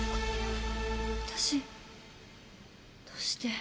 私どうして。